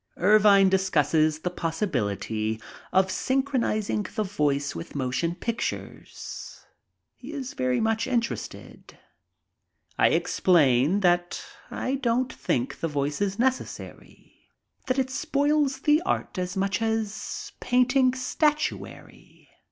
Ervine discusses the possibility of synchronizing the voice with motion pictures. He is very much interested. I ex plain that I don't think the voice is necessary, that it spoils the art as much as painting statuary.